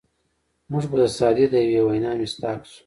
موږ به د سعدي د یوې وینا مصداق شو.